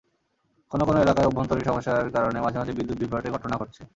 কোনো কোনো এলাকায় অভ্যন্তরীণ সমস্যার কারণে মাঝে মাঝে বিদ্যুৎ-বিভ্রাটের ঘটনা ঘটছে।